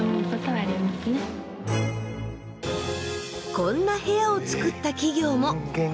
こんな部屋をつくった企業も。